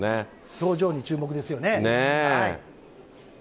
表情に注目ですよね。